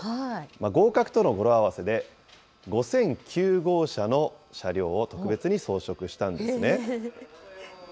合格との語呂合わせで、５００９号車の車両を特別に装飾したんですね。